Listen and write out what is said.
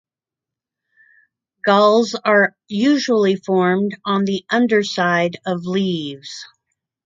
Galls are usually formed on the underside of leaves.